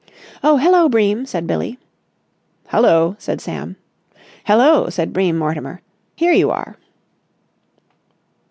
"Oh, hello, Bream!" said Billie. "Hullo!" said Sam. "Hello!" said Bream Mortimer. "Here you are!"